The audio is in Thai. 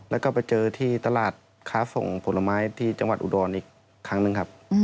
แล้วก็ไปเจอที่ตลาดค้าส่งผลไม้ที่จังหวัดอุดรอีกครั้งหนึ่งครับ